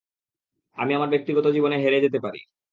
আমি আমার ব্যক্তিগত জীবনে হেরে যেতে পারি।